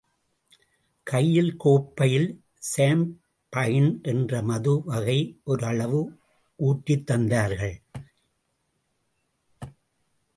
கையில் கோப்பையில் சாம்பயின் என்ற மதுவகை ஒரு அளவு ஊற்றித் தந்தார்கள்.